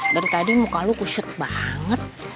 dari tadi muka lo kusut banget